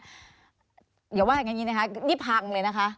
เดี๋ยวว่าอย่างนี้นะคะนี่พังเลยนะคะ